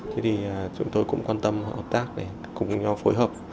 thế thì chúng tôi cũng quan tâm hợp tác để cùng nhau phối hợp